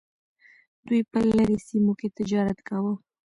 دوی په لرې سیمو کې تجارت کاوه.